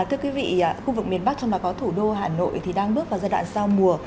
thưa quý vị khu vực miền bắc trong đó có thủ đô hà nội thì đang bước vào giai đoạn giao mùa